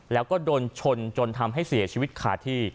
แล้วก็โดนชนจนทำให้เสียชีวิตขาดที่